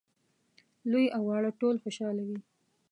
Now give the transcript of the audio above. لوی او واړه ټول خوشاله وي.